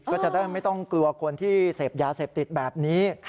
ก็จะได้ไม่ต้องกลัวคนที่เสพยาเสพติดแบบนี้